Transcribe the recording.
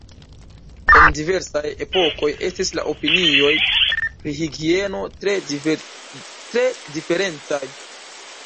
En diversaj epokoj estis la opinioj pri higieno tre diferencaj.